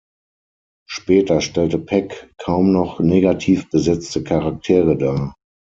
Später stellte Peck kaum noch negativ besetzte Charaktere dar.